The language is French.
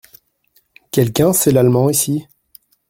Quelqu’un sait l’allemand ici ?